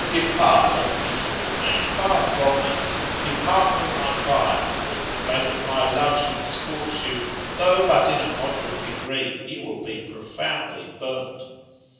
Depart, O miserable man, far from me, depart from my fire, for if the flame of my love should scorch you, though but in a moderate degree, you will be profonndly burnt.